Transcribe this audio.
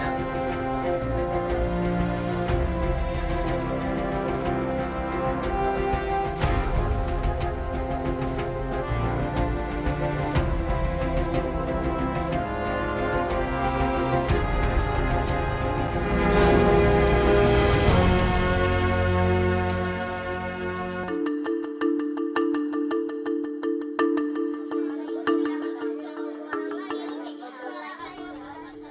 lihat di video selanjutnya